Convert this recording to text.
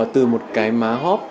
từ một cái má hóp